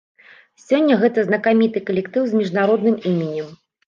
Сёння гэта знакаміты калектыў з міжнародным іменем.